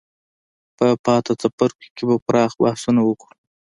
په پاتې څپرکو کې به پراخ بحثونه وکړو.